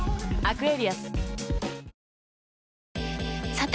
さて！